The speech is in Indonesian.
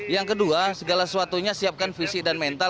yang kedua segala sesuatunya siapkan fisik dan mental